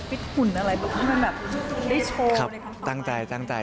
มีหุ่นอะไรต้องให้มันแบบได้โชว์ในคำตอบ